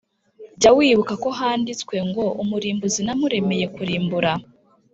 jya wibuka ko handitswe ngo "umurimbuzi namuremeye kurimbura."